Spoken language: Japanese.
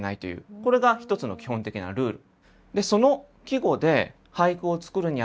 これが一つの基本的なルール。